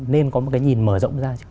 nên có một cái nhìn mở rộng ra